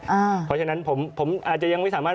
เพราะฉะนั้นผมอาจจะยังไม่สามารถ